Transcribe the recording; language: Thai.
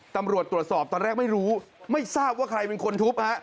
ตำรวจตรวจสอบตอนแรกไม่รู้ไม่ทราบว่าใครเป็นคนทุบฮะ